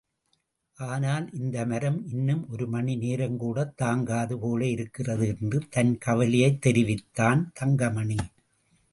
ஆனால், இந்த மரம் இன்னும் ஒருமணி நேரங்கூடத் தாங்காது போல இருக்கிறது என்று தன் கவலையைத் தெரிவித்தான் தங்கமணி.